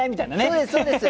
そうですそうです。